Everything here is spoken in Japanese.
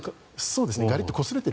そうですね。